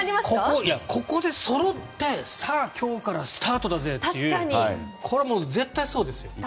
ここでそろってさあ、今日からスタートだぜ！というこれは絶対そうですよ。